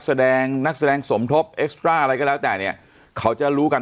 แสดงนักแสดงสมทบเอสตราอะไรก็แล้วแต่เนี่ยเขาจะรู้กัน